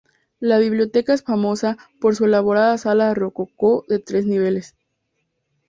La biblioteca es famosa por su elaborada sala rococó de tres niveles.